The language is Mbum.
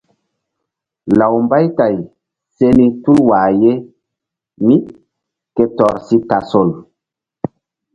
Law Mbaytay se ni tul wah ye mí ke tɔr si tasol.